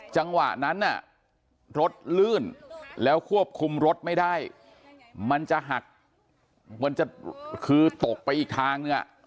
จังหวะนั้นรถลื่นแล้วควบคุมรถไม่ได้มันจะหักมันจะคือตกไปอีกทางนึง